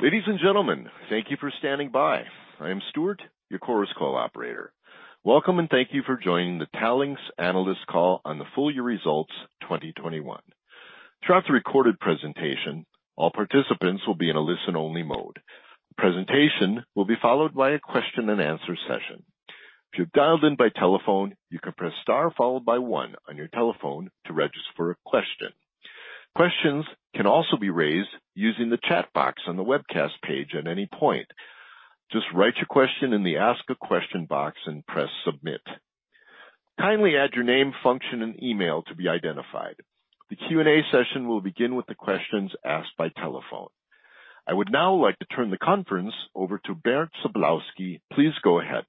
Ladies and gentlemen, thank you for standing by. I am Stuart, your Chorus Call operator. Welcome, and thank you for joining the Talanx analyst call on the full year results 2021. Throughout the recorded presentation, all participants will be in a listen-only mode. The presentation will be followed by a question-and-answer session. If you've dialed in by telephone, you can press star followed by one on your telephone to register a question. Questions can also be raised using the chat box on the webcast page at any point. Just write your question in the Ask a Question box and press Submit. Kindly add your name, function, and email to be identified. The Q&A session will begin with the questions asked by telephone. I would now like to turn the conference over to Bernd Sablowsky. Please go ahead.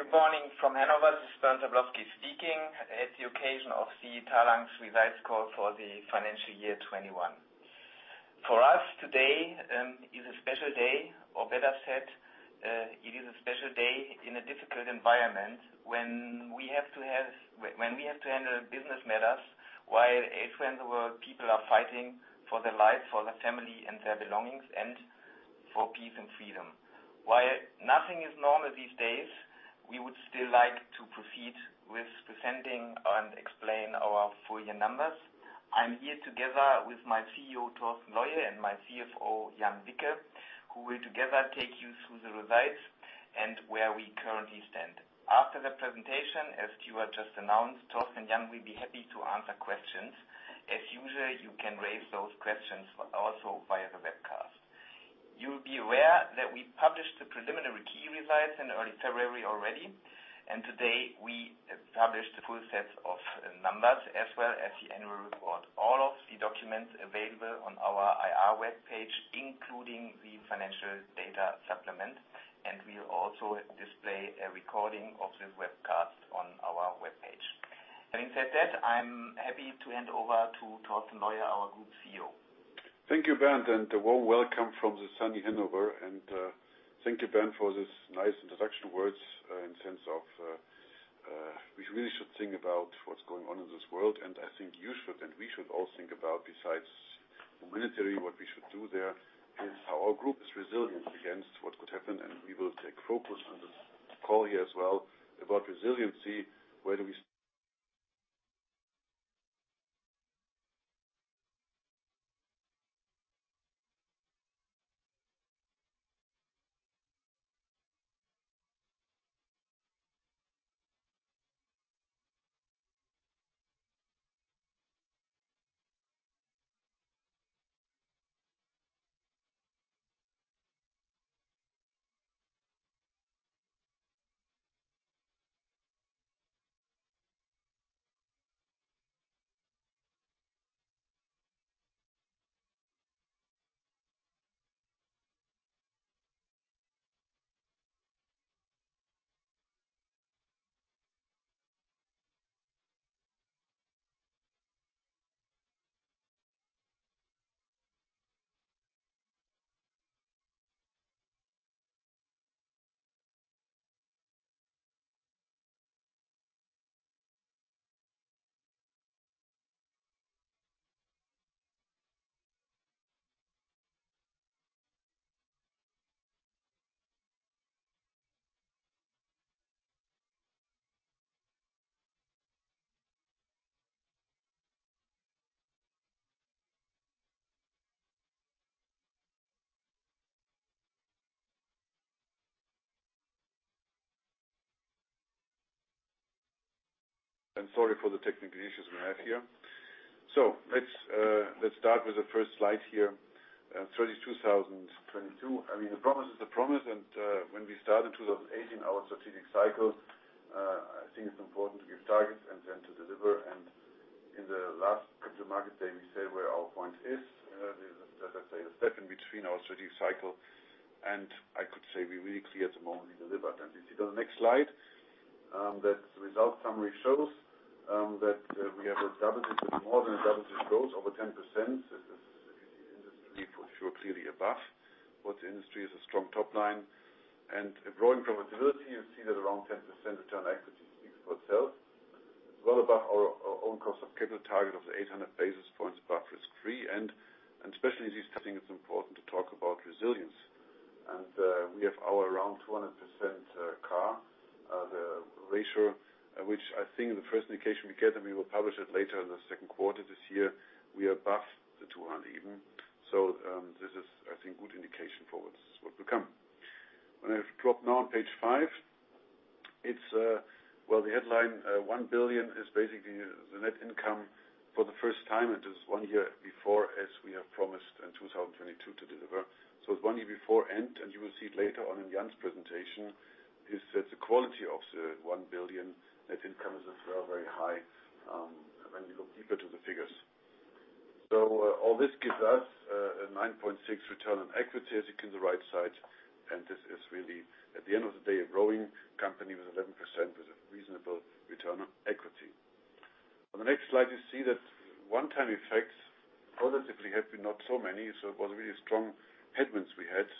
Good morning from Hanover. This is Bernd Sablowsky speaking at the occasion of the Talanx results call for the financial year 2021. For us, today, is a special day, or better said, it is a special day in a difficult environment when we have to handle business matters while elsewhere in the world people are fighting for their life, for their family and their belongings and for peace and freedom. While nothing is normal these days, we would still like to proceed with presenting and explain our full year numbers. I'm here together with my CEO, Torsten Leue, and my CFO, Jan Wicke, who will together take you through the results and where we currently stand. After the presentation, as Stuart just announced, Torsten and Jan will be happy to answer questions. As usual, you can raise those questions also via the webcast. You'll be aware that we published the preliminary key results in early February already, and today we established the full set of numbers as well as the annual report, all of the documents are available on our IR webpage, including the financial data supplement. We'll also display a recording of this webcast on our webpage. Having said that, I'm happy to hand over to Torsten Leue, our Group CEO. Thank you, Bernd, and a warm welcome from the sunny Hanover. Thank you, Bernd, for this nice introduction words in sense of we really should think about what's going on in this world. I think you should and we should all think about, besides military, what we should do there is how our group is resilient against what could happen. We will take focus on this call here as well about resiliency, where do we. Sorry for the technical issues we have here. Let's start with the first slide here. 2022. I mean, the promise is the promise. When we started 2018, our strategic cycle, I think it's important to give targets and then to deliver. In the last Capital Markets Day, we say where our point is. This is, as I say, a step in between our strategic cycle. I could say we're really clear at the moment we delivered. If you go to the next slide, that result summary shows that we have double-digit, more than double-digit growth over 10%. This is industry, we're clearly above what the industry is a strong top line. A growing profitability, you see that around 10% return on equity speaks for itself. Well above our own cost of capital target of 800 basis points above risk-free. Especially these testing times, it's important to talk about resilience. We have our around 200% CAR, the ratio, which I think the first indication we get, and we will publish it later in the second quarter this year, we are above the 200% even. This is, I think, a good indication for what will come. When I turn now to page five, it's, well, the headline, 1 billion is basically the net income for the first time. It is one year before, as we have promised in 2022 to deliver. It's one year before end, and you will see it later on in Jan's presentation, that the quality of the 1 billion net income is as well very high, when you look deeper into the figures. All this gives us a 9.6% return on equity, as you can see on the right side. This is really, at the end of the day, a growing company with 11% with a reasonable return on equity. On the next slide, you see that one-time effects positively have been not so many It was really strong headwinds we had.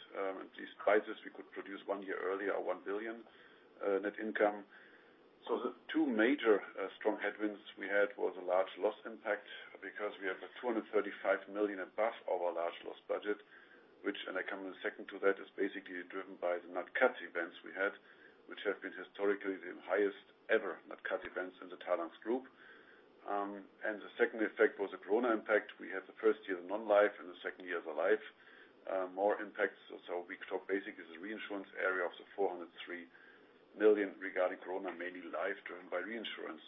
Despite this, we could produce one year earlier, our 1 billion net income. The two major strong headwinds we had was a large loss impact because we have 235 million above our large loss budget, which, and I come in a second to that, is basically driven by the Nat Cat events we had, which have been historically the highest ever Nat Cat events in the Talanx Group. The second effect was the corona impact. We had the first year of non-life and the second year of the life more impacts. We could talk basically the reinsurance area of 403 million regarding corona, mainly life driven by reinsurance.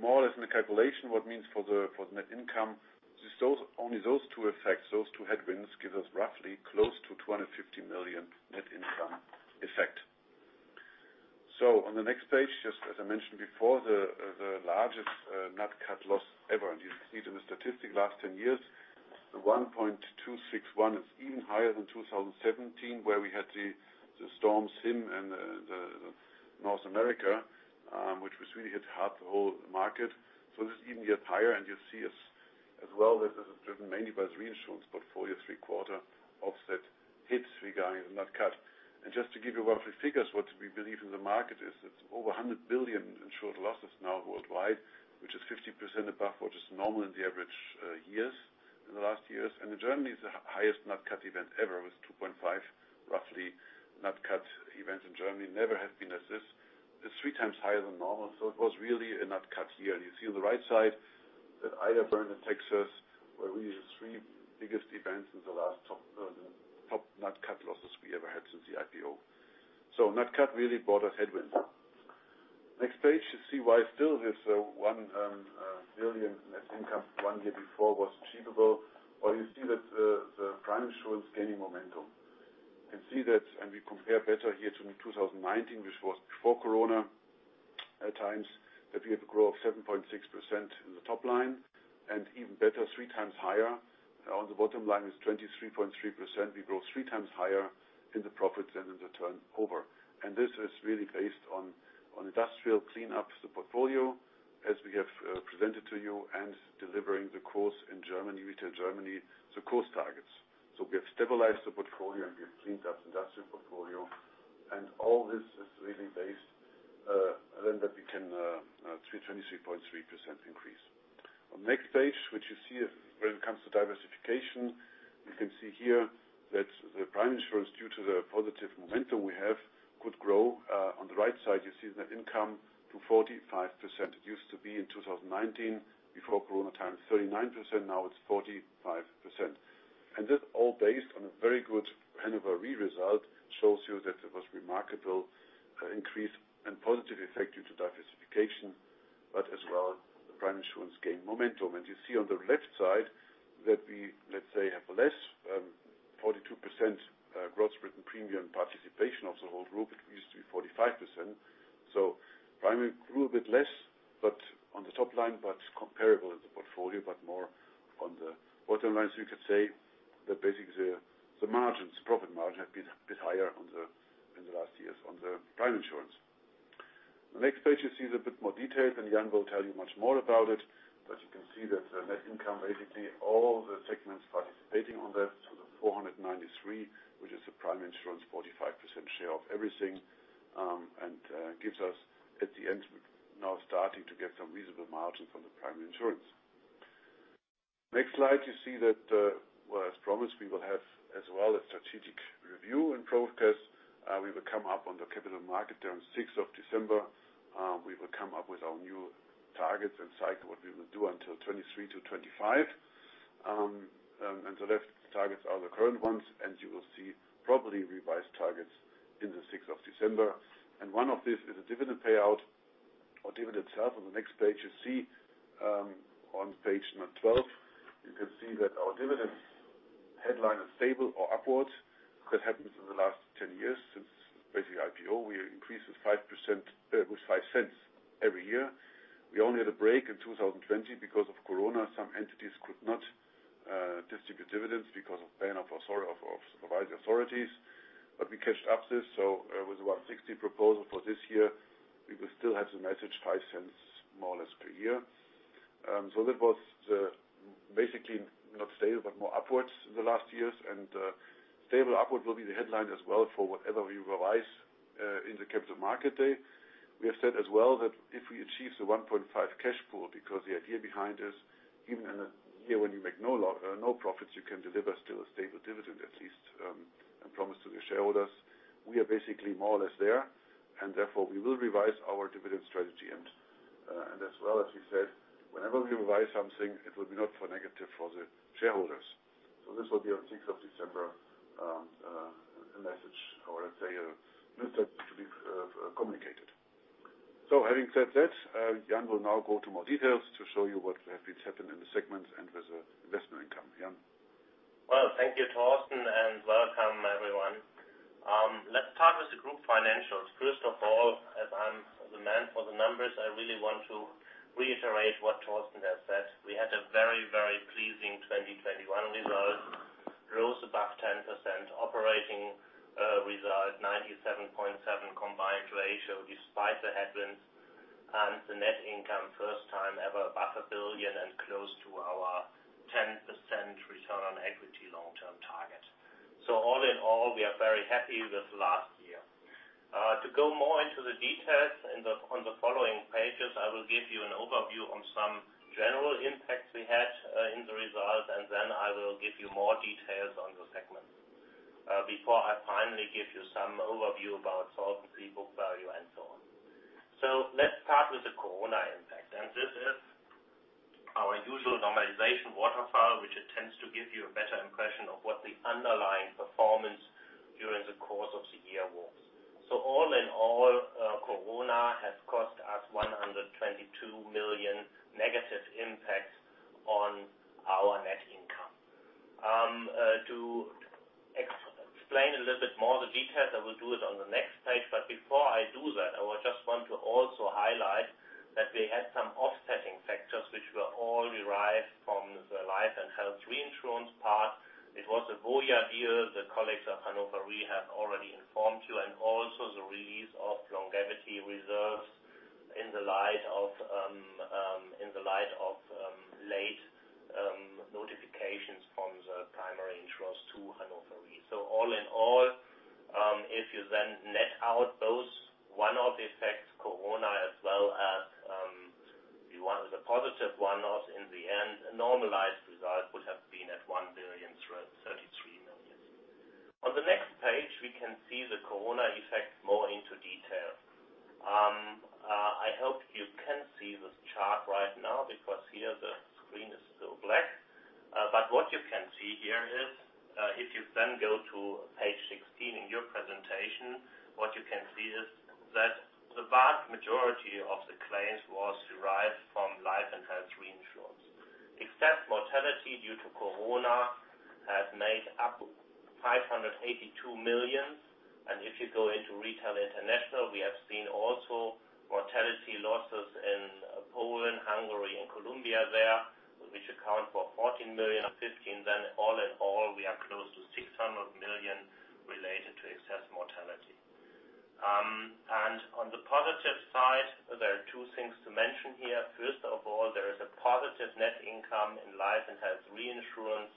More or less in the calculation, what means for the net income, just those, only those two effects, those two headwinds give us roughly close to 250 million net income effect. On the next page, just as I mentioned before, the largest Nat Cat loss ever. You see the statistic last 10 years, the 1.261 million is even higher than 2017, where we had the storm Xynthia and North America, which was really hit hard the whole market. This even get higher, and you see as well, this is driven mainly by reinsurance portfolio three-quarter offset hits regarding the Nat Cat. Just to give you rough figures, what we believe in the market is it's over $100 billion insured losses now worldwide, which is 50% above what is normal in the average years in the last years. In Germany, the highest nat cat event ever was 2.5 billion, roughly. Nat cat events in Germany never have been as this. It's three times higher than normal. It was really a nat cat year. You see on the right side that Ida, Bernd in Texas, where we use three biggest events in the last top nat cat losses we ever had since the IPO. Nat Cat really brought us headwind. Next page, you see why still this 1 billion net income one year before was achievable. You see that the primary insurance gaining momentum. You can see that, and we compare better here to 2019, which was before corona at times, that we had a growth of 7.6% in the top line, and even better, three times higher. On the bottom line, was 23.3%. We grew three times higher in the profits and in the turnover. This is really based on industrial cleanups, the portfolio, as we have presented to you, and delivering the core in Germany, Retail Germany, the core targets. We have stabilized the portfolio, and we have cleaned up industrial portfolio. All this is really based on the 23.3% increase. On the next page, which you see when it comes to diversification, you can see here that the primary insurance, due to the positive momentum we have, could grow. On the right side, you see the net income to 45%. It used to be in 2019, before corona times, 39%, now it's 45%. This all based on a very good distribute dividends because of ban of supervising authorities. We caught up this with 1.60 proposal for this year, we will still have the same 0.5 More or less per year. That was basically not stable, but more upwards in the last years. Stable upward will be the headline as well for whatever we revise in the Capital Markets Day. We have said as well that if we achieve the 1.5 billion cash pool, because the idea behind is even in a year when you make no profits, you can deliver still a stable dividend at least, and promise to the shareholders. We are basically more or less there, and therefore, we will revise our dividend strategy. As we said, whenever we revise something, it will be not for negative for the shareholders. This will be on 6th of December, a message or let's say a message to be communicated. Having said that, Jan will now go to more details to show you what have been happened in the segments and with the investment income. Jan? Well, thank you, Torsten, and welcome, everyone. Let's start with the group financials. First of all, as I'm the man for the numbers, I really want to reiterate what Torsten has said. We had a very, very pleasing 2021 result. Growth above 10% operating result, 97.7% combined ratio, despite the headwinds. The net income first time ever above 1 billion and close to our 10% return on equity long-term target. All in all, we are very happy with last year. To go more into the details on the following pages, I will give you an overview on some general impacts we had, in the results, and then I will give you more details on the segments, before I finally give you some overview about solvency, book value, and so on. Let's start with the corona impact. This is our usual normalization waterfall, which it tends to give you a better impression of what the underlying performance during the course of the year was. So all in all, corona has cost us 122 million negative impact on our net income. To explain a little bit more the details, I will do it on the next page. But before I do that, I would just want to also highlight that we had some offsetting factors which were all derived from the life and health reinsurance part. It was a Voya deal. The colleagues at Hannover Re have already informed you. Also the release of longevity reserves in the light of late notifications from the primary insurers to Hannover Re. All in all, if you then net out those one-off effects, corona as well as the positive one-offs in the end, a normalized result would have been at 1,233 million. On the next page, we can see the corona effect more in detail. I hope you can see this chart right now because here the screen is still black. But what you can see here is, if you then go to page 16 in your presentation, what you can see is that the vast majority of the claims was derived from life and health reinsurance. Excess mortality due to corona has made up 582 million. If you go into Retail International, we have seen also mortality losses in Poland, Hungary, and Colombia there, which account for 14 million and 15 million. All in all, we are close to 600 million related to excess mortality. On the positive side, there are two things to mention here. First of all, there is a positive net income in life and health reinsurance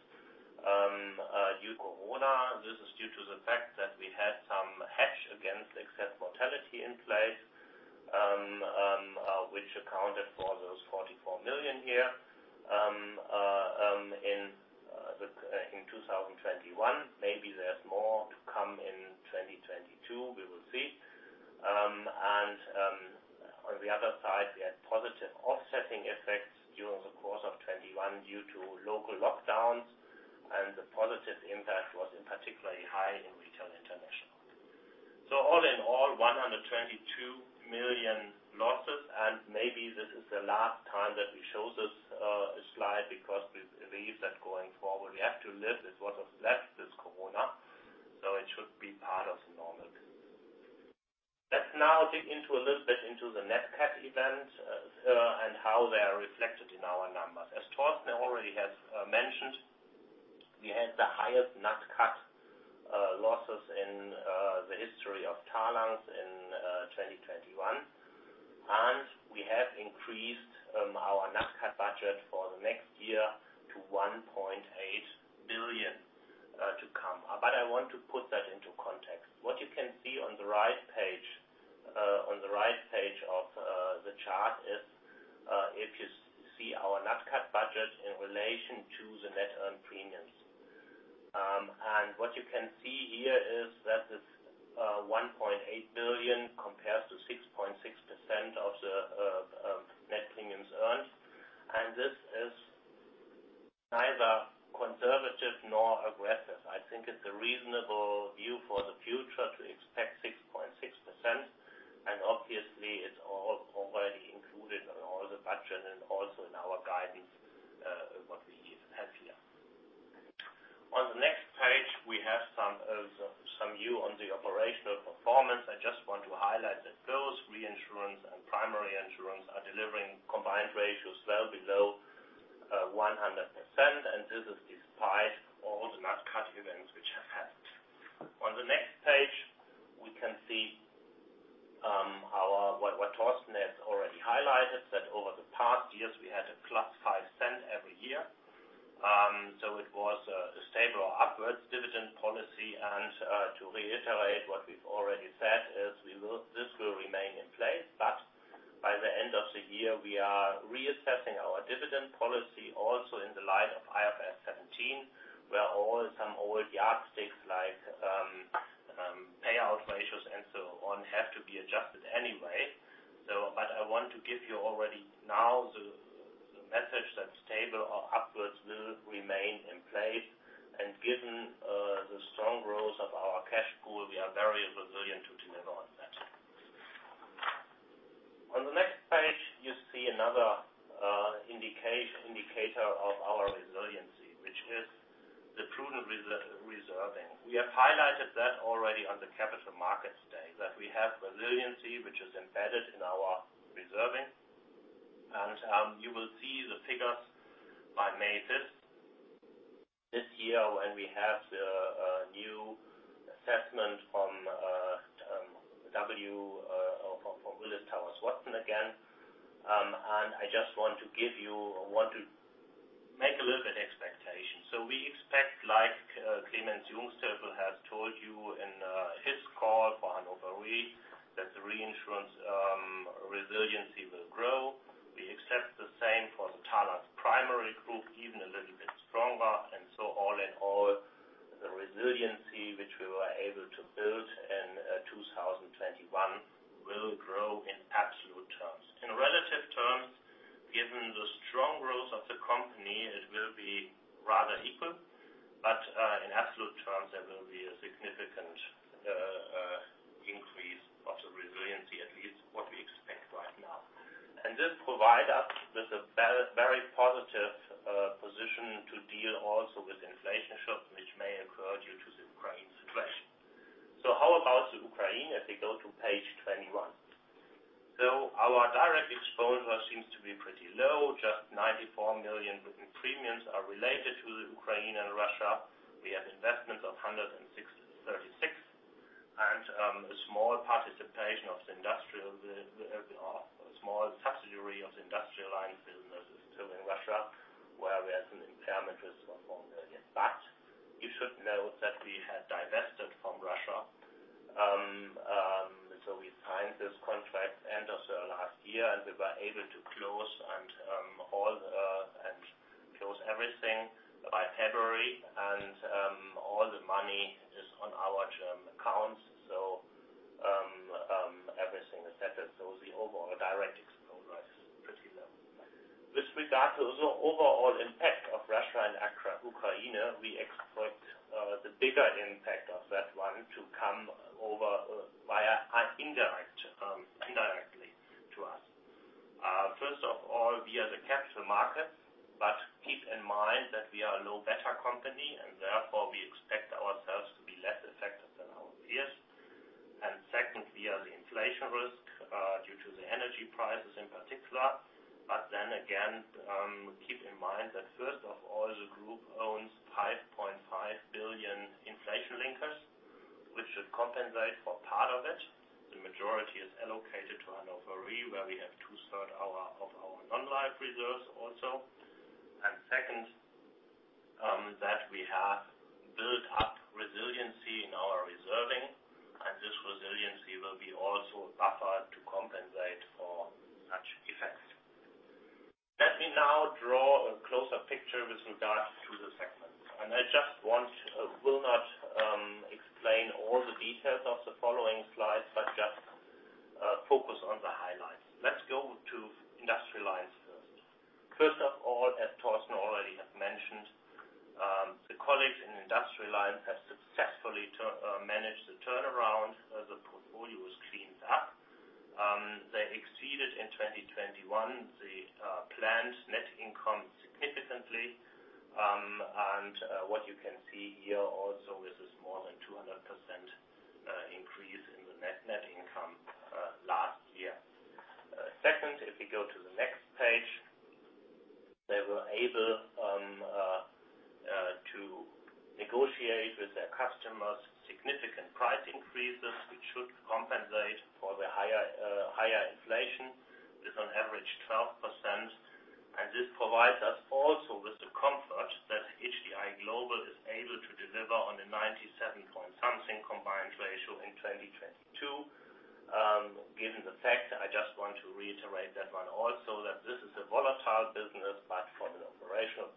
due to corona. This is due to the fact that we had some hedge against excess mortality in place, which accounted for those 44 million here in 2021. Maybe there's more to come in 2022. We will see. On the other side, we had positive offsetting effects during the course of 2021 due to local lockdowns, and the positive impact was particularly high in Retail International. All in all, 122 million losses. Maybe this is the last time that we show this slide because we believe that going forward, we have to live with what is left as corona, so it should be part of the normal business. Let's now dig into a little bit into the Nat Cat events and how they are reflected in our numbers. As Torsten already has mentioned, we had the highest Nat Cat losses in the history of Talanx in 2021. We have increased our Nat Cat budget for the next year to 1.8 billion to come. But I want to put that into context. What you can see on the right page of the chart is if you see our Nat Cat budget in relation to the net earned premiums. What you can see here is that this 1.8 billion compares to 6.6% of the net premiums earned. This is neither conservative nor aggressive. I think it's a reasonable view for the future to expect 6.6%. Obviously, it's all already included in all the budget and also in our guidance what we have here. On the next page, we have some view on the operational performance. I just want to highlight that both reinsurance and primary insurance are delivering combined ratios well below 100%. This is despite all the Nat Cat events which have happened. On the next page, we can see what Torsten has already highlighted, that over the past years, we had a 5%+ every year. It was a stable or upward dividend policy. To reiterate what we've already said is this will remain in place. By the end of the year, we are reassessing our dividend policy also in the light of IFRS 17, where also some old yardsticks like payout ratios and so on have to be adjusted anyway. I want to give you already now the message that stable or upward will remain in place. Given the strong growth of our cash pool, we are very resilient to deliver on that. On the next page, you see another indicator of our resiliency, which is the prudent reserving. We have highlighted that already on the Capital Markets Day, that we have resiliency, which is embedded in our reserving. You will see the figures by May 5th this year when we have the new assessment from Willis Towers Watson again. I just want to give you or want to make a little bit expectation. We expect, like, Clemens Jungsthöfel has told you in his call for Hannover Re, that the reinsurance resiliency will grow. We expect the same for the Talanx primary group, even a little bit stronger. All in all, the resiliency which we were able to build in 2021 will grow in absolute terms. In relative terms, given the strong growth of the company, it will be rather equal. In absolute terms, there will be a significant increase of the resiliency, at least what we expect right now. This provide us with a very positive position to deal also with inflation shock, which may occur due to the Ukraine situation. How about the Ukraine, if we go to page 21? Our direct exposure seems to be pretty low. Just 94 million in premiums are related to the Ukraine and Russia. We have investments of 106.36 million. A small participation of the Industrial Lines, the small subsidiary of the Industrial Lines business is still in Russia, where we have an impairment risk of EUR 1 million. You should know that we have divested from Russia. We signed this contract end of the last year, and we were able to close everything by February. All the money is on our accounts, so everything is settled. The overall direct exposure is pretty low. With regard to the overall impact of Russia and Ukraine, we expect the bigger impact of that to come indirectly to us. First of all, via the capital markets, but keep in mind that we are a low beta company, and therefore we expect ourselves to be less affected than our peers. Second, via the inflation risk due to the energy prices in particular. Then again, keep in mind that first of all, the group owns 5.5 billion inflation linkers, which should compensate for part of it. The majority is allocated to Hannover Re, where we have 2/3 of our non-life reserves also. Second, that we have built up resiliency in our reserving, and this resiliency will be also buffered to compensate for such effects. Let me now draw a closer picture with regard to the segments. I just will not explain all the details of the following slides, but just focus on the highlights. Let's go to Industrial Lines first. First of all, as Torsten already have mentioned, the colleagues in Industrial Lines have successfully managed the turnaround. The portfolio was cleaned up. They exceeded in 2021 the planned net income significantly. What you can see here also is this more than 200% increase in the net income last year. Second, if we go to the next page. They were able to negotiate with their customers significant price increases, which should compensate for the higher inflation with on average 12%. This provides us also with the comfort that HDI Global is able to deliver on the 97-something combined ratio in 2022. Given the fact, I just want to reiterate that one also, that this is a volatile business. From an operational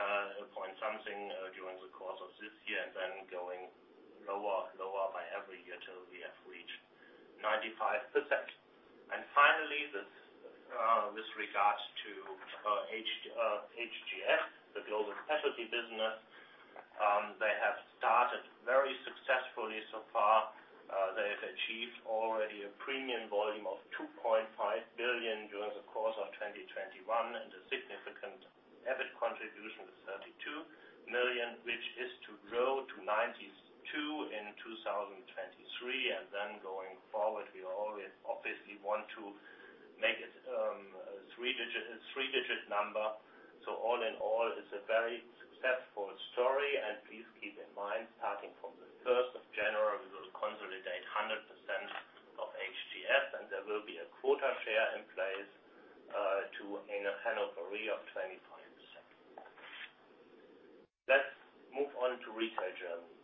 performance point of view, we expect 97-something during the course of this year, and then going lower by every year till we have reached 95%. Finally, with regards to HDI Global Specialty, the global specialty business. They have started very successfully so far. They have achieved already a premium volume of 2.5 billion during the course of 2021, and a significant EBIT contribution of 32 million, which is to grow to 92 million in 2023. Then going forward, we always obviously want to make it a three-digit number. All in all, it's a very successful story. Please keep in mind, starting from the 1st of January, we will consolidate 100% of HGF, and there will be a quota share in place within Hannover Re of 25%. Let's move on to Retail Germany.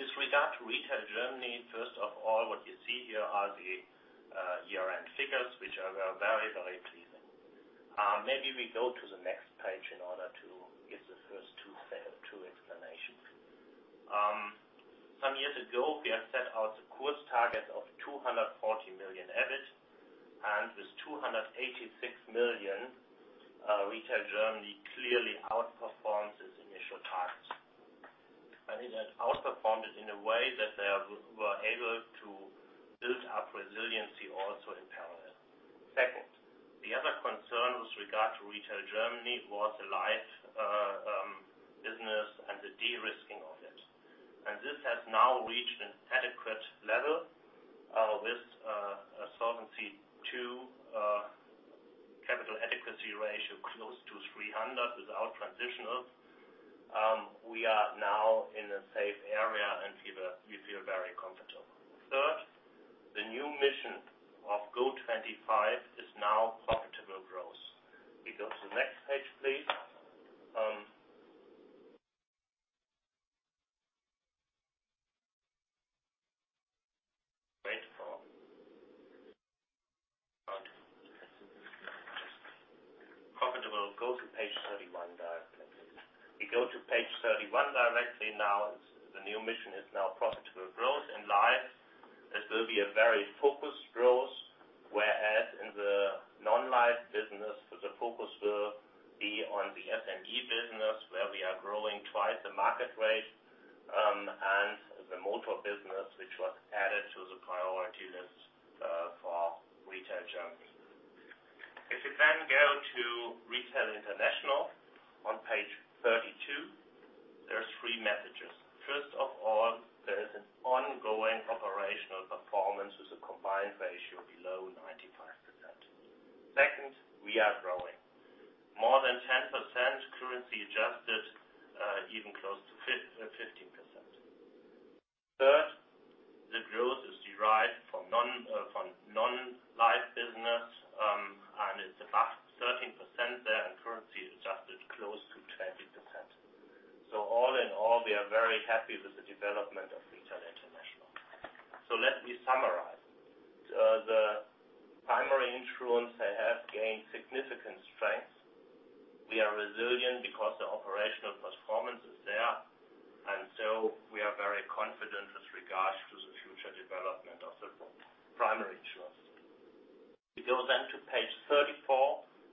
With regard to Retail Germany, first of all, what you see here are the year-end figures, which are very, very pleasing. Maybe we go to the next page in order to give the first two explanations. Some years ago, we had set out the course target of 240 million EBIT. With 286 million, Retail Germany clearly outperforms its initial targets. It has outperformed it in a way that they were able to build up resiliency also in parallel. Second, the other concern with regard to Retail Germany was the life business and the de-risk. This has now reached an adequate level with a Solvency II capital adequacy ratio close to 300 without transitional. We are now in a safe area and we feel very comfortable. Third, the new mission of GO 25 is now profitable growth. We go to the next page, please. Wait for profitable. Go to page 31 directly. The new mission is now profitable growth. In Life, it will be a very focused growth, whereas in the Non-Life business, the focus will be on the SME business, where we are growing twice the market rate, and the motor business, which was added to the priority list, for Retail Germany. If you then go to Retail International on page 32, there are three messages. First of all, there is an ongoing operational performance with a combined ratio below 95%. Second, we are growing more than 10% currency adjusted, even close to 15%. Third, the growth is derived from Non-Life business, and it's about 13% there, and currency adjusted close to 20%. All in all, we are very happy with the development of Retail International. Let me summarize. The primary insurance, they have gained significant strength. We are resilient because the operational performance is there, and so we are very confident with regards to the future development of the primary insurance. We go then to page 34,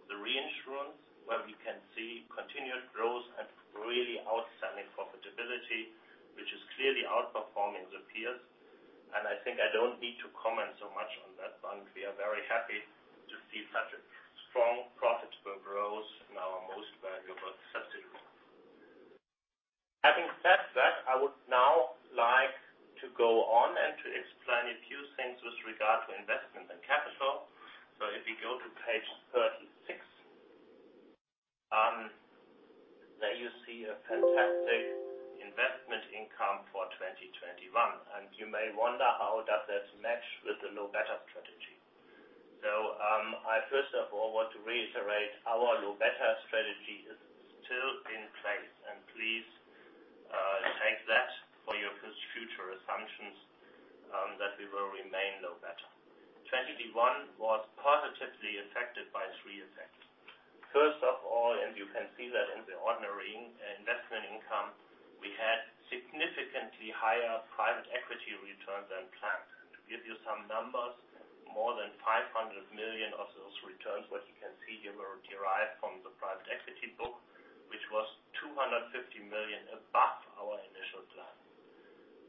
the reinsurance, where we can see continued growth and really outstanding profitability, which is clearly outperforming the peers. I think I don't need to comment so much on that one. We are very happy to see such a strong profitable growth in our most valuable subsidiary. Having said that, I would now like to go on and to explain a few things with regard to investment and capital. If you go to page 36, there you see a fantastic investment income for 2021. You may wonder, how does this match with the low beta strategy? I first of all want to reiterate our low beta strategy is still in place. Please take that for your future assumptions that we will remain low beta. 2021 was positively affected by three effects. First of all, you can see that in the ordinary investment income, we had significantly higher private equity returns than planned. To give you some numbers, more than 500 million of those returns, what you can see here, were derived from the private equity book, which was 250 million above our initial plan.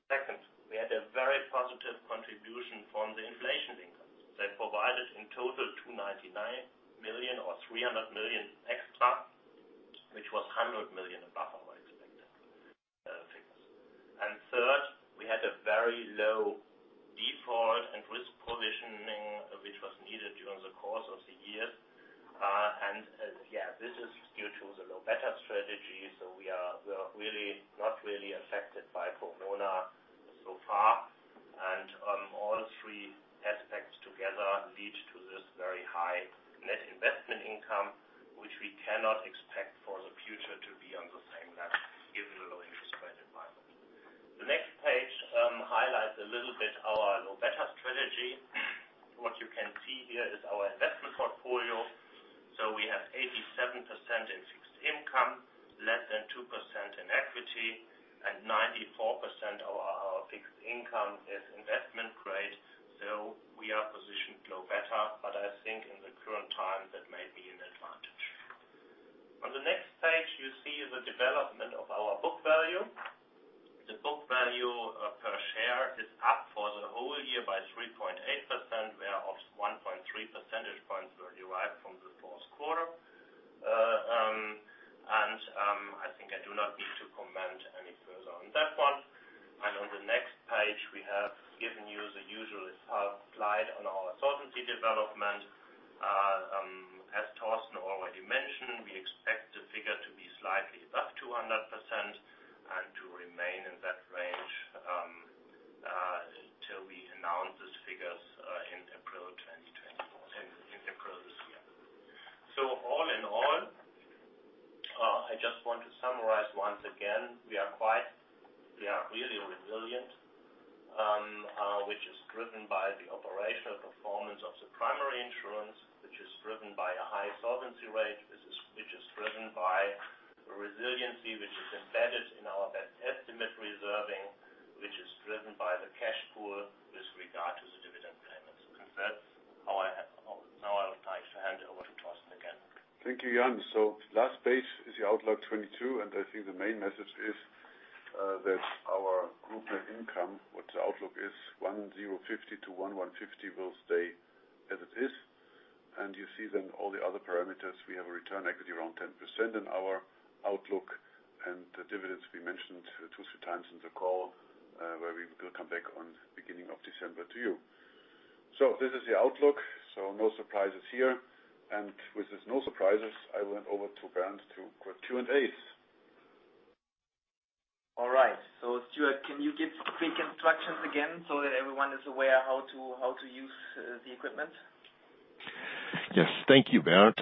Second, we had a very positive contribution from the inflation linkers. They provided in total, 299 million or 300 million extra, which was 100 million above our expected figures. Third, we had a very low default and risk positioning, which was needed during the course of the year. This is due to the low beta strategy. We are really not really affected by corona so far. All three aspects together lead to this very high net investment income, which we cannot expect for the future to be on the same level, given the low interest rate environment. The next page highlights a little bit our low beta strategy. What you can see here is our investment portfolio. We have 87% in fixed income, less than 2% in equity, and 94% of our fixed income is investment grade. We are positioned low beta, but I think in the current time, that may be an advantage. On the next page, you see the development of our book value. The book value per share is up for the whole year by 3.8%, whereof 1.3 percentage points were derived from the fourth quarter. I think I do not need to comment any further on that one. On the next page, we have given you the usual slide on our solvency development. As Torsten already mentioned, we expect the figure to be slightly above 200% and to remain in that range till we announce these figures in April 2024. In April this year. All in all, I just want to summarize once again, we are really resilient, which is driven by the operational performance of the primary insurance, which is driven by a high solvency rate. Which is driven by resiliency, which is embedded in our best estimate reserving, which is driven by the cash pool with regard to the dividend payments. That's how I have. Now I would like to hand over to Torsten again. Thank you, Jan. Last page is the outlook 2022, and I think the main message is that our group net income, what the outlook is, 1,050 million-1,150 million will stay as it is. You see then all the other parameters, we have a return on equity around 10% in our outlook. The dividends we mentioned two to three times in the call, where we will come back on beginning of December to you. This is the outlook, no surprises here. With that, there's no surprises. I hand over to Bernd for Q&As. All right. Stuart, can you give quick instructions again so that everyone is aware how to use the equipment? Yes. Thank you, Bernd.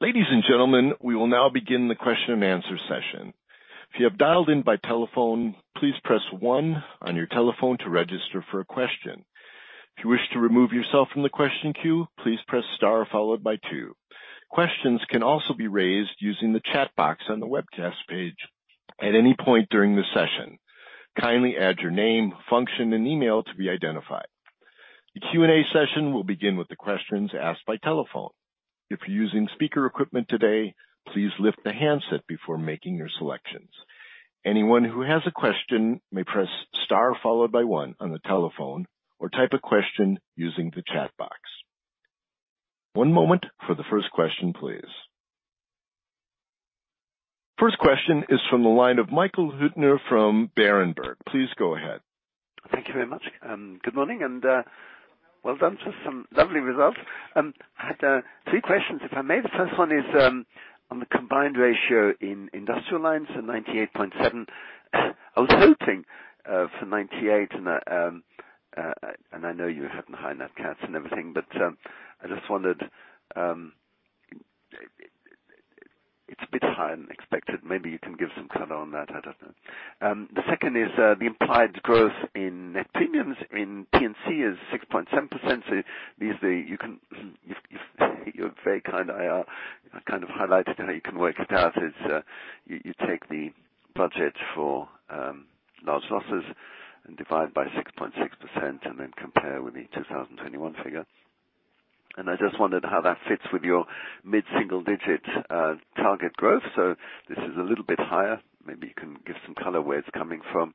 Ladies and gentlemen, we will now begin the question-and-answer session. If you have dialed in by telephone, please press one on your telephone to register for a question. If you wish to remove yourself from the question queue, please press star followed by two. Questions can also be raised using the chat box on the webcast page at any point during the session. Kindly add your name, function, and email to be identified. The Q&A session will begin with the questions asked by telephone. If you're using speaker equipment today, please lift the handset before making your selections. Anyone who has a question may press star followed by one on the telephone, or type a question using the chat box. One moment for the first question, please. First question is from the line of Michael Huttner from Berenberg. Please go ahead. Thank you very much. Good morning, and well done. Just some lovely results. I had three questions, if I may. The first one is on the combined ratio in Industrial Lines and 98.7%. I was hoping for 98%, and I know you had high Nat Cat and everything, but I just wondered, it's a bit higher than expected. Maybe you can give some color on that. I don't know. The second is the implied growth in net premiums in P&C is 6.7%. So these are the. You can. You're very kind. I kind of highlighted how you can work it out, you take the budget for large losses and divide by 6.6%, and then compare with the 2021 figure. I just wondered how that fits with your mid-single digit target growth. This is a little bit higher. Maybe you can give some color where it's coming from.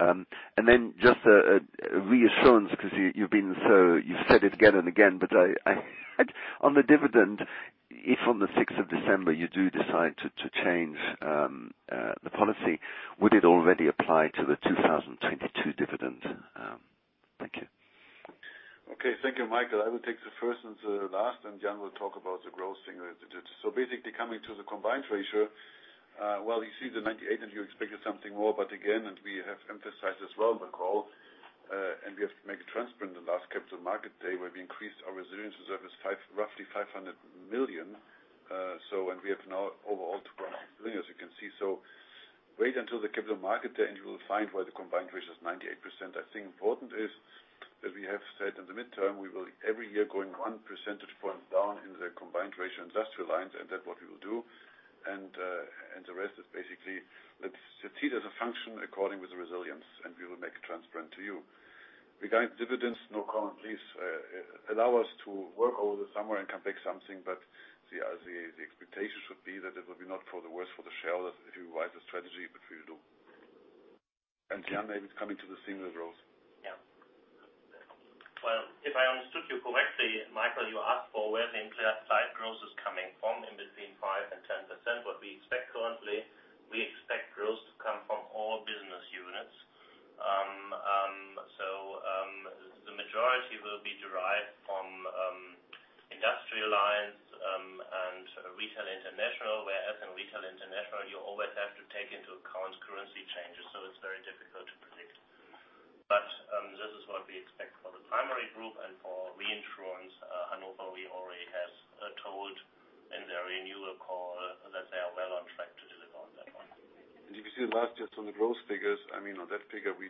And then just a reassurance because you've been so you've said it again and again, but I had. On the dividend, if on the 6th of December you do decide to change the policy, would it already apply to the 2022 dividend? Thank you. Okay, thank you, Michael. I would take the first and the last, and Jan will talk about the growth thing that you did. Basically coming to the combined ratio, you see the 98, and you expected something more. Again, we have emphasized as well on the call, and we have to make it transparent, the last Capital Markets Day, where we increased our resilience reserve is roughly 500 million. We have now overall 2.9 billion, as you can see. Wait until the Capital Markets Day, and you will find where the combined ratio is 98%. I think important is that we have said in the mid-term, we will every year going one percentage point down in the combined ratio Industrial Lines, and that's what we will do. The rest is basically, let's see it as a function according with the resilience, and we will make it transparent to you. Regarding dividends, no comment, please. Allow us to work over the summer and come back with something, but the expectation should be that it will be not for the worst for the shareholders if you write the strategy, but we will do. Jan, maybe coming to the single growth. Well, if I understood you correctly, Michael, you asked for where the implied growth is coming from, 5%-10%. What we expect currently, we expect growth to come from all business units. The majority will be derived from Industrial Lines and Retail International. Whereas in Retail International, you always have to take into account currency changes, so it's very difficult to predict. This is what we expect for the primary group and for reinsurance. Hannover Re already has told in their renewal call that they are well on track to deliver on that one. If you see the last year from the growth figures, I mean, on that figure, we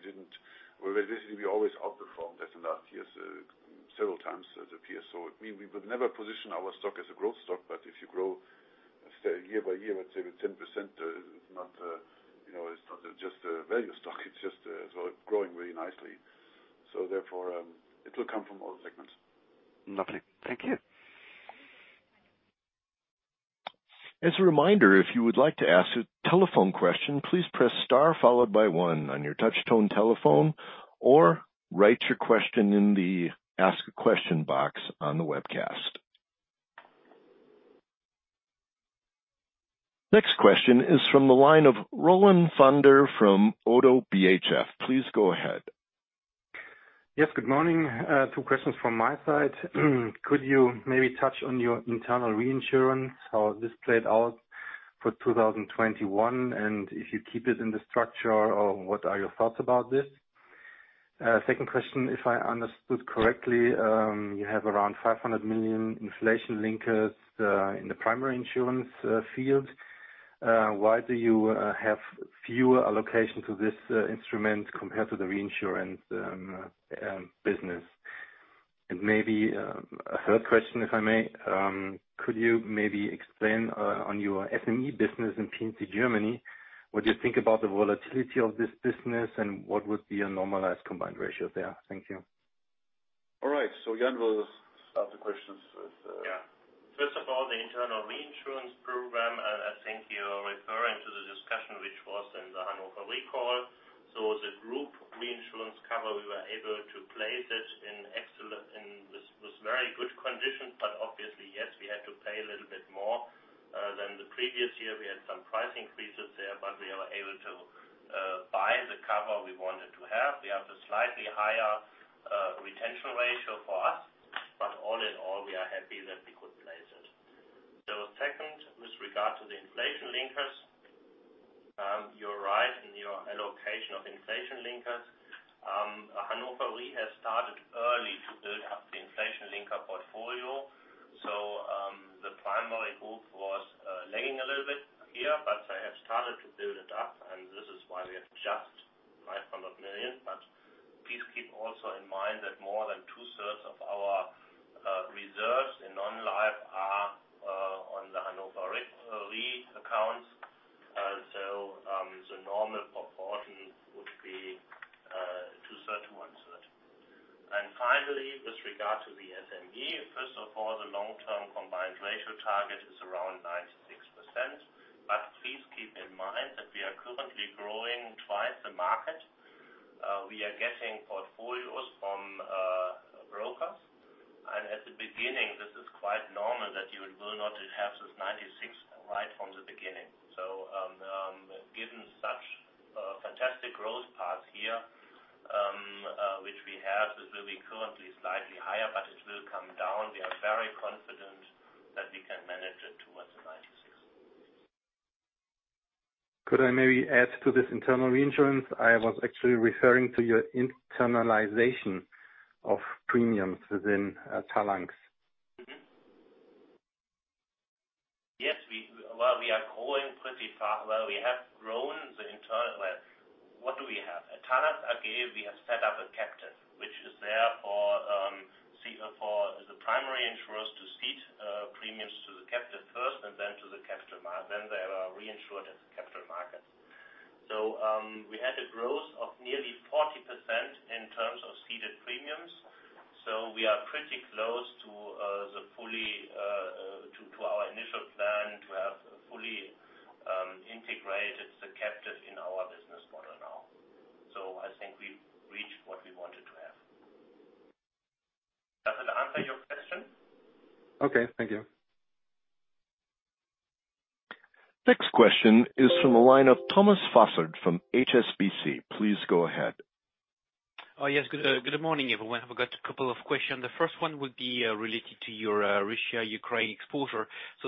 didn't. Well, basically, we always outperformed that in the last years several times as a peer. It mean we would never position our stock as a growth stock. If you grow say, year by year, let's say with 10%, you know, it's not just a value stock, it's just sort of growing really nicely. Therefore, it will come from all segments. Lovely. Thank you. As a reminder, if you would like to ask a telephone question, please press star followed by one on your touch-tone telephone. Or write your question in the Ask a Question box on the webcast. Next question is from the line of Roland Pfänder from ODDO BHF. Please go ahead. Yes, good morning. Two questions from my side. Could you maybe touch on your internal reinsurance, how this played out for 2021, and if you keep it in the structure or what are your thoughts about this? Second question, if I understood correctly, you have around 500 million inflation linkers in the primary insurance field. Why do you have fewer allocations of this instrument compared to the reinsurance business? Maybe a third question, if I may. Could you maybe explain on your SME business in P&C Germany, what do you think about the volatility of this business, and what would be a normalized combined ratio there? Thank you. All right, Jan will start the questions with. Yeah. First of all, the internal reinsurance program, I think you already... The Hannover Re call. The group reinsurance cover, we were able to place it in excellent in this very good condition. But obviously, yes, we had to pay a little bit more than the previous year. We had some price increases there, but we are able to buy the cover we wanted to have. We have a slightly higher retention ratio for us, but all in all, we are happy that we could place it. Second, with regard to the inflation linkers, you're right in your allocation of inflation linkers. Hannover Re has started early to build up the inflation linker portfolio. The primary move was lagging a little bit here, but they have started to build it up, and this is why we have just 900 million. Please keep also in mind that more than 2/3 of our reserves in non-life are on the Hannover Re accounts. The normal proportion would be two-thirds to one-third. Finally, with regard to the SME, first of all, the long-term combined ratio target is around 96%. Please keep in mind that we are currently growing twice the market. We are getting portfolios from brokers. At the beginning, this is quite normal that you will not have this 96% right from the beginning. Given such fantastic growth path here which we have, it will be currently slightly higher, but it will come down. We are very confident that we can manage it towards the 96%. Could I maybe add to this internal reinsurance? I was actually referring to your internalization of premiums within Talanx. Yes, well, we are growing pretty fast. Well, we have grown. Well, what do we have? At Talanx, again, we have set up a captive, which is there for the primary insurers to cede premiums to the captive first and then to the capital markets. Then they are reinsured as capital markets. We had a growth of nearly 40% in terms of ceded premiums. We are pretty close to our initial plan to have fully integrated the captive in our business model now. I think we've reached what we wanted to have. Does it answer your question? Okay, thank you. Next question is from the line of Thomas Fossard from HSBC. Please go ahead. Oh, yes. Good morning, everyone. I've got a couple of questions. The first one would be related to your Russia-Ukraine exposure.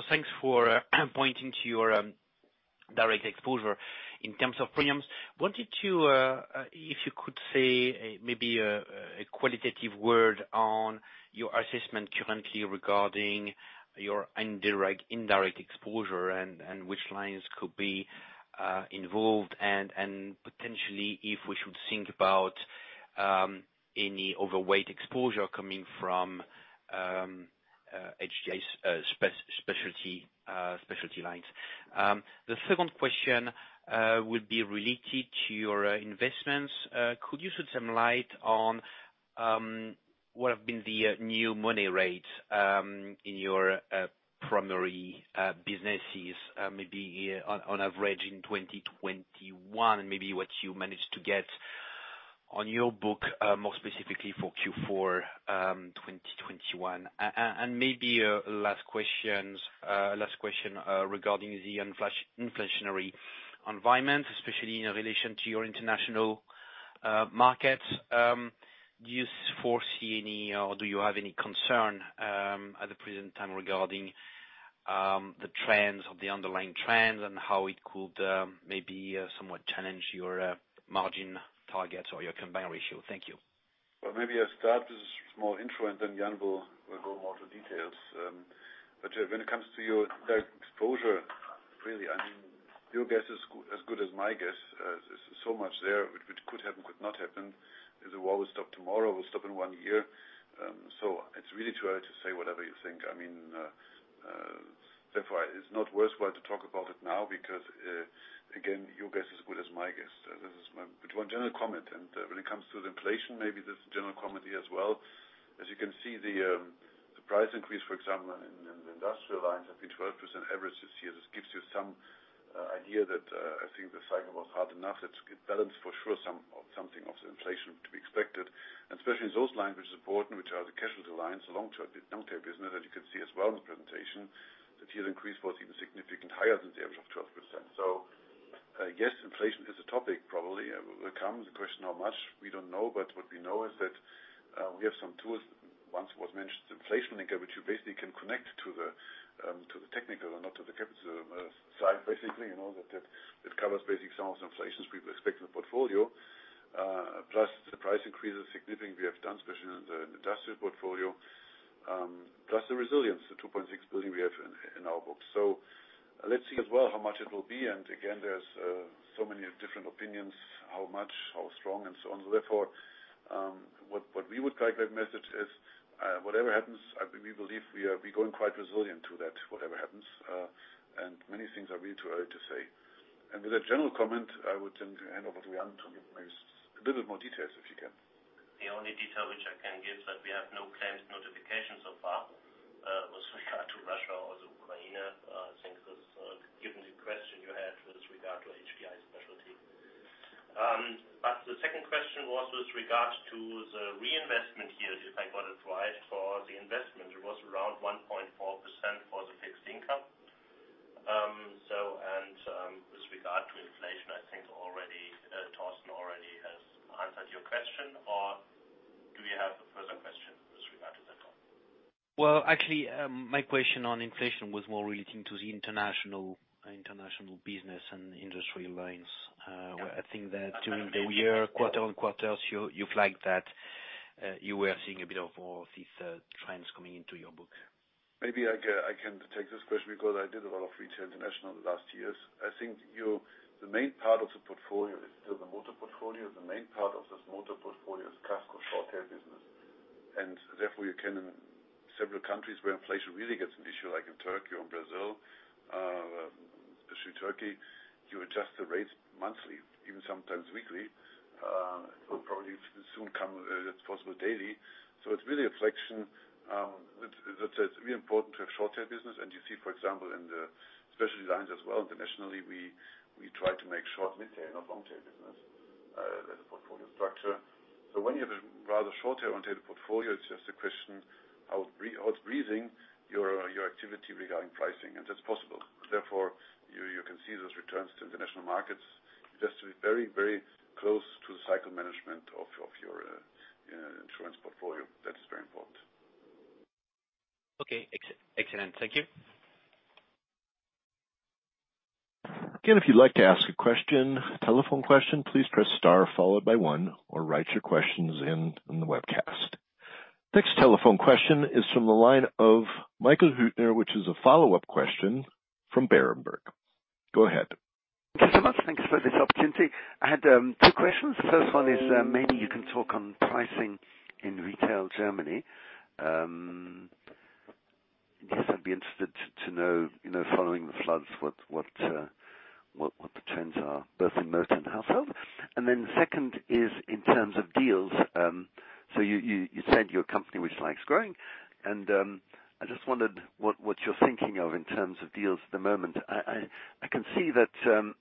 Thanks for pointing to your direct exposure in terms of premiums. Wanted to if you could say maybe a qualitative word on your assessment currently regarding your indirect exposure and which lines could be involved. Potentially if we should think about any overweight exposure coming from HDI specialty lines. The second question would be related to your investments. Could you shed some light on what have been the new money rates in your primary businesses maybe on average in 2021, and maybe what you managed to get on your book more specifically for Q4 2021. Maybe a last question regarding the inflationary environment, especially in relation to your international markets. Do you foresee any or do you have any concern at the present time regarding the trends or the underlying trends and how it could maybe somewhat challenge your margin targets or your combined ratio? Thank you. Well, maybe I start. This is more intro, and then Jan will go more to details. But when it comes to your direct exposure, really, I mean, your guess is as good as my guess. There's so much there which could happen, could not happen. Is the war will stop tomorrow, will stop in one year. It's really too early to say whatever you think. I mean, therefore it's not worthwhile to talk about it now because again, your guess is as good as my guess. This is my. One general comment, when it comes to the inflation, maybe there's a general comment here as well. As you can see the price increase, for example, in the Industrial Lines have been 12% average this year. This gives you some idea that I think the cycle was hard enough that it balanced for sure some of the inflation to be expected. Especially in those lines which is important, which are the casualty lines, the long-term, the long-tail business, that you can see as well in the presentation, that here the increase was even significantly higher than the average of 12%. Yes, inflation is a topic probably will come. The question how much, we don't know. But what we know is that we have some tools. Once it was mentioned, the inflation linker, which you basically can connect to the technical and not to the capital side, basically. You know, that it covers basic sources of inflation we expect in the portfolio. Plus the price increases significantly we have done, especially in the industrial portfolio, plus the resilience, the 2.6 billion we have in our books. Let's see as well how much it will be. Again, there's so many different opinions, how much, how strong, and so on. Therefore, what we would like that message is, whatever happens, we believe we are going quite resilient to that, whatever happens. Many things are really too early to say. With a general comment, I would then hand over to Jan to give maybe a little bit more details, if you can. The only detail which I can give is that we have no claims notification so far, with regard to Russia or the Ukraine. I think it was given the question you had with regard to HDI Global Specialty. But the second question was with regards to the reinvestment yield, if I got it right. For the investment, it was around 1.4% for the fixed income. So and, with regard to inflation, I think already Torsten has answered your question. Or do you have a further question with regard to that one? Well, actually, my question on inflation was more relating to the international business and Industrial Lines. Yeah. I think that during the year, quarter-on-quarters, you flagged that you were seeing a bit more of these trends coming into your book. Maybe I can take this question because I did a lot of Retail International the last years. I think the main part of the portfolio is still the motor portfolio. The main part of this motor portfolio is casco short tail business. Therefore, you can in several countries where inflation really gets an issue, like in Turkey or Brazil, especially Turkey, you adjust the rates monthly, even sometimes weekly. Probably soon come, it's possible daily. So it's really a reflection that it's really important to have short tail business. You see, for example, in the specialty lines as well, internationally, we try to make short, mid tail, not long tail business as a portfolio structure. When you have a rather short tail oriented portfolio, it's just a question how it's breathing your activity regarding pricing, and that's possible. Therefore, you can see those returns to international markets. You have to be very, very close to cycle management of your insurance portfolio. That is very important. Okay. Excellent. Thank you. Again, if you'd like to ask a question, a telephone question, please press star followed by one or write your questions in on the webcast. Next telephone question is from the line of Michael Huttner, which is a follow-up question from Berenberg. Go ahead. Thank you so much. Thank you for this opportunity. I had two questions. First one is, maybe you can talk on pricing in Retail Germany. I guess I'd be interested to know, you know, following the floods, what the trends are both in motor and household. Second is in terms of deals. You said you're a company which likes growing. I just wondered what you're thinking of in terms of deals at the moment. I can see that,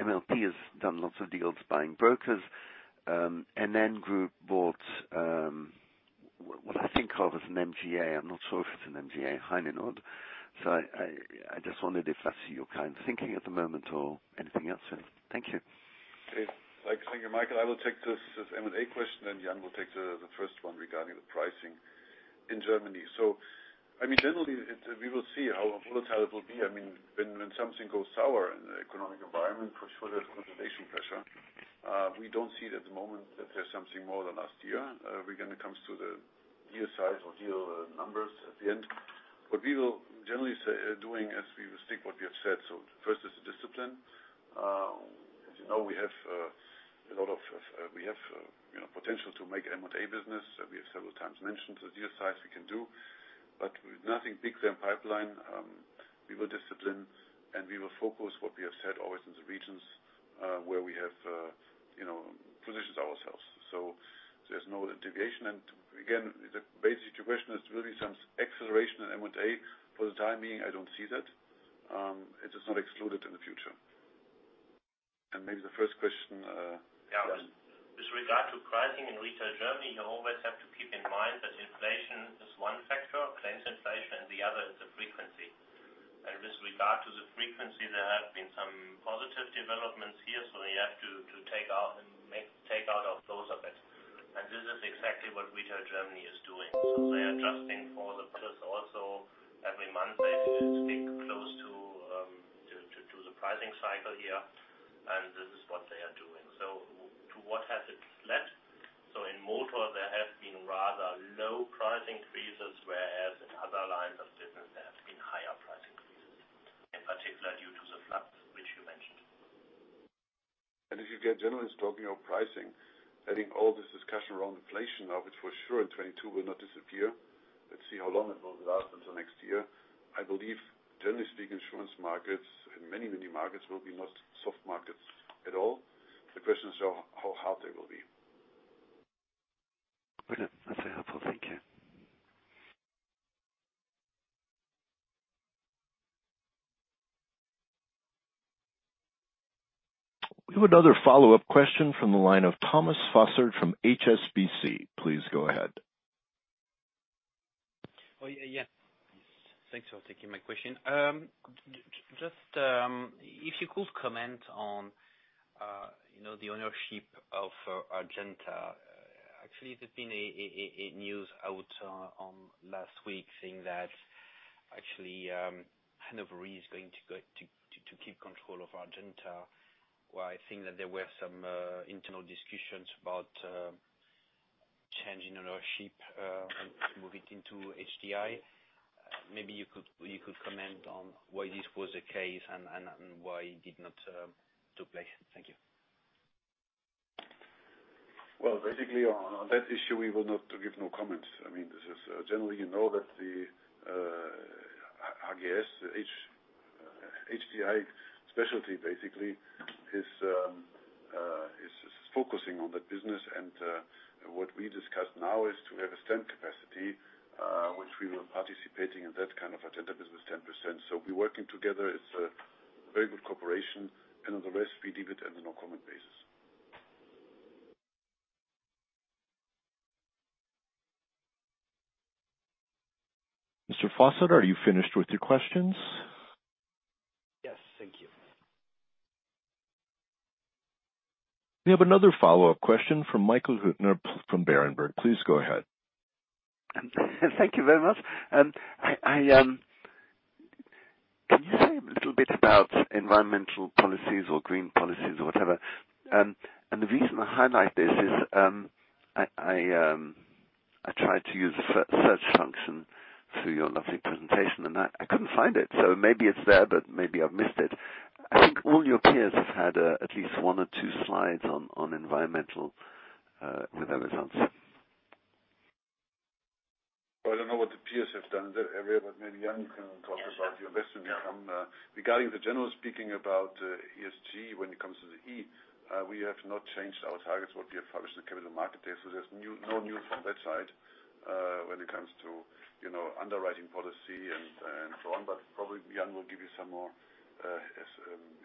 MLP has done lots of deals buying brokers. NN Group bought, what I think of as an MGA. I'm not sure if it's an MGA, Heinenoord. I just wondered if that's your kind of thinking at the moment or anything else. Thank you. Okay. Thank you, Michael. I will take this M&A question, and Jan will take the first one regarding the pricing in Germany. I mean, generally, it. We will see how volatile it will be. I mean, when something goes sour in the economic environment, for sure, there's consolidation pressure. We don't see it at the moment that there's something more than last year. We're gonna come to the deal size or deal numbers at the end. What we will generally say doing as we will stick to what we have said. First is the discipline. As you know, we have a lot of you know potential to make M&A business. We have several times mentioned the deal size we can do. With nothing big there in the pipeline, we were disciplined, and we were focused on what we have said always in the regions where we have positioned ourselves. There's no deviation. The basic situation is really some acceleration in M&A. For the time being, I don't see that. It is not excluded in the future. Maybe the first question, Jan. Yeah. With regard to pricing in Retail Germany, you always have to keep in mind that inflation is one factor, claims inflation, and the other is the frequency. With regard to the frequency, there have been some positive developments here. You have to take out of those a bit. This is exactly what Retail Germany is doing. They are adjusting for the business also. Every month, they stick close to the pricing cycle here. This is what they are doing. To what has it led? In motor, there have been rather low price increases, whereas in other lines of business, there have been higher price increases, in particular due to the floods, which you mentioned. If you, again, generally speaking of pricing, I think all this discussion around inflation now, which for sure in 2022 will not disappear. Let's see how long it will last until next year. I believe generally speaking, insurance markets and many, many markets will be not soft markets at all. The question is how hard they will be. Okay. That's very helpful. Thank you. We have another follow-up question from the line of Thomas Fossard from HSBC. Please go ahead. Oh, yes. Thanks for taking my question. Just, if you could comment on, you know, the ownership of Argenta. Actually, there's been a news out last week saying that actually, Hannover Re is going to keep control of Argenta. While I think that there were some internal discussions about changing ownership and move it into HDI. Maybe you could comment on why this was the case and why it did not took place. Thank you. Well, basically on that issue, we will not give no comments. I mean, this is generally, you know, that the HDI Specialty basically is focusing on that business. What we discussed now is to have some capacity, which we will participating in that kind of a tender business 10%. We're working together. It's a very good cooperation, and on the rest, we leave it at a no-comment basis. Mr. Fossard, are you finished with your questions? Yes, thank you. We have another follow-up question from Michael Huttner from Berenberg. Please go ahead. Thank you very much. Can you say a little bit about environmental policies or green policies or whatever? The reason I highlight this is I tried to use the search function through your lovely presentation, and I couldn't find it, so maybe it's there, but maybe I've missed it. I think all your peers have had at least one or two slides on environmental with their results. Well, I don't know what the peers have done in that area, but maybe Jan can talk about the investment from. Regarding generally speaking about ESG, when it comes to the E, we have not changed our targets, what we have published in the Capital Markets Day. There's no new from that side, when it comes to, you know, underwriting policy and so on. Probably Jan will give you some more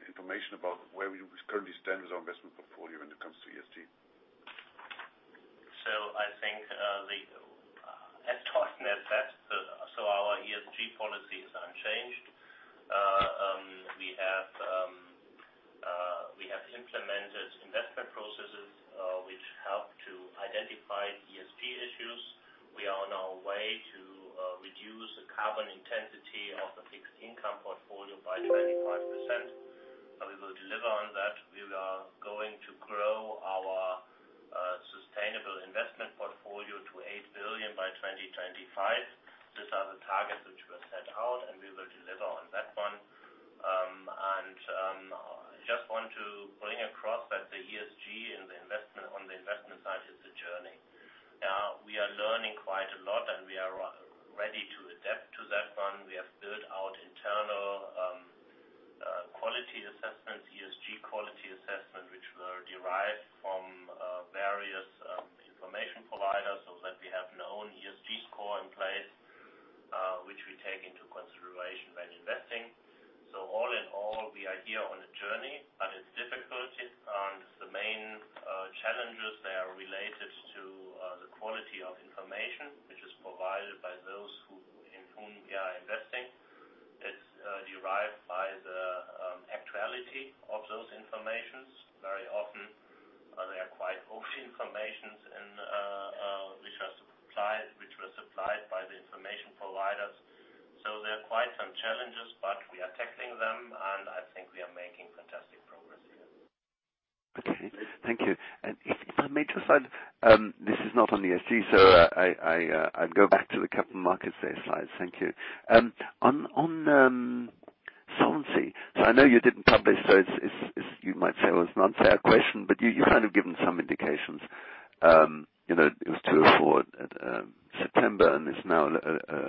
information about where we currently stand with our investment portfolio when it comes to ESG. I think, as talked in the past, our ESG policies are unchanged. We have implemented investment processes which help to identify ESG issues. We are on our way to reduce the carbon intensity of the fixed income portfolio by 25%, and we will deliver on that. We are going to grow our sustainable investment portfolio to 8 billion by 2025. These are the targets which were set out, and we will deliver on that one. I just want to bring across that the ESG and the investment on the investment side is a journey. We are learning quite a lot, and we are ready to adapt to that one. We have built our internal quality assessment, ESG quality assessment, which were derived from various information providers, so that we have known ESG score in place, which we take into consideration when investing. All in all, we are here on a journey, and it's difficult. The main challenges they are related to the quality of information, which is provided by those in whom we are investing. It's derived by the actuality of those information. Very often, they are quite old information and which were supplied by the information providers. There are quite some challenges, but we are tackling them, and I think we are making fantastic progress here. Okay, thank you. If I may just add, this is not on ESG, so I go back to the Capital Markets Day slide. Thank you. On solvency. I know you didn't publish, so it's, you might say, it was an unfair question, but you kind of given some indications. You know, it was Q2 or Q4 September, and it's now a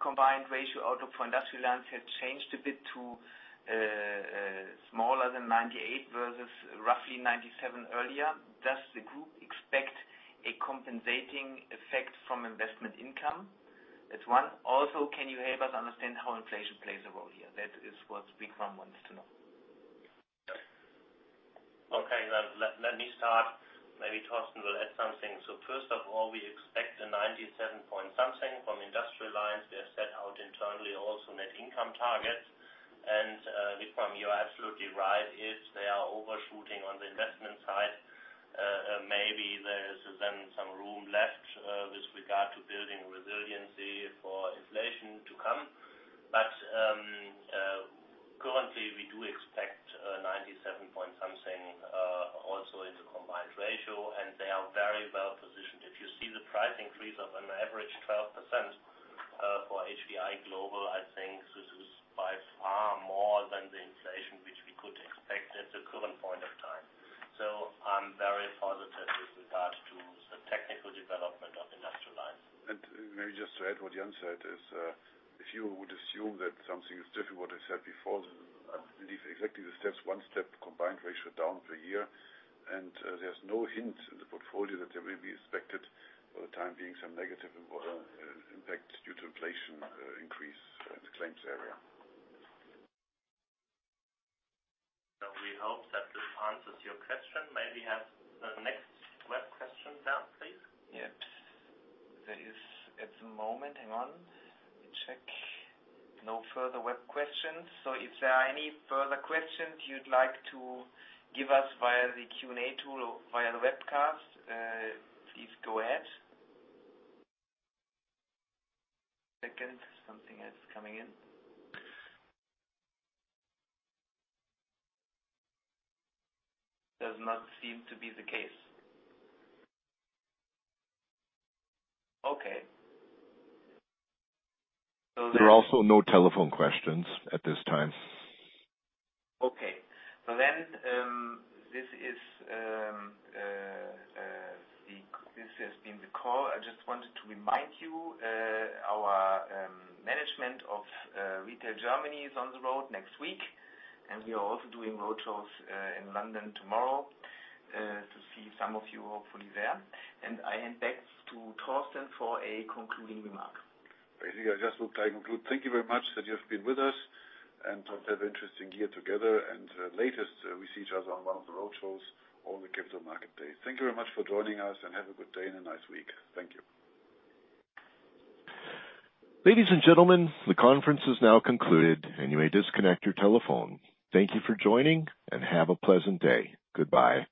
combined ratio outlook for Industrial Lines has changed a bit to smaller than 98% versus roughly 97% earlier. Does the group expect a compensating effect from investment income? That's one. Also, can you help us understand how inflation plays a role here? That is what Vikram wants to know. Okay. Let me start. Maybe Torsten will add something. First of all, we expect 97-something from Industrial Lines. We have set out internally also net income targets. Vikram, you are absolutely right. If they are overshooting on the investment side, maybe there is then some room left with regard to building resiliency for inflation to come. Currently, we do expect 97-something also in the combined ratio, and they are very well positioned. If you see the price increase of an average 12% for HDI Global, I think this is by far more than the inflation which we could expect at the current point of time. I'm very positive with regard to the technical development of Industrial Lines. Maybe just to add what Jan said is, if you would assume that something is different, what I said before, I believe exactly the steps, one step combined ratio down per year. There's no hint in the portfolio that there may be expected for the time being some negative impact due to inflation increase in the claims area. We hope that this answers your question. May we have the next web question now, please? Yes. There is at the moment. Hang on. Let me check. No further web questions. If there are any further questions you'd like to give us via the Q&A tool via the webcast, please go ahead. Second, something else coming in. Does not seem to be the case. Okay. There are also no telephone questions at this time. Okay. This has been the call. I just wanted to remind you, our management of Retail Germany is on the road next week, and we are also doing road shows in London tomorrow to see some of you hopefully there. I hand back to Torsten for a concluding remark. I think I just would like to conclude. Thank you very much that you have been with us and I hope to have interesting year together. Lastly, we see each other on one of the road shows on the Capital Markets Day. Thank you very much for joining us, and have a good day and a nice week. Thank you. Ladies and gentlemen, the conference is now concluded, and you may disconnect your telephone. Thank you for joining, and have a pleasant day. Goodbye.